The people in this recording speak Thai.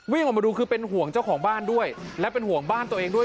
ออกมาดูคือเป็นห่วงเจ้าของบ้านด้วยและเป็นห่วงบ้านตัวเองด้วย